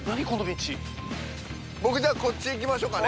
僕じゃあこっち行きましょかね。